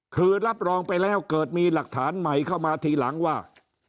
คือรับรองไปแล้วเกิดมีหลักฐานใหม่เข้ามาทีหลังว่า